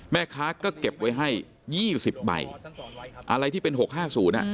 แม่ค้าก็เก็บไว้ให้๒๐ใบอะไรที่เป็น๖๕๐อ่ะ